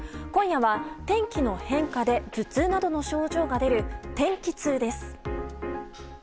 今夜は天気の変化で頭痛などの症状が出る天気痛です。